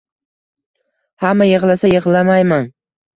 Hamma yig’lasa yig’lamayman